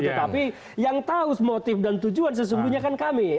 tetapi yang tahu motif dan tujuan sesungguhnya kan kami